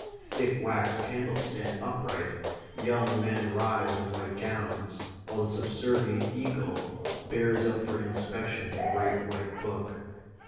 Thick wax candles stand upright; young men rise in white gowns; while the subservient eagle bears up for inspection the great white book.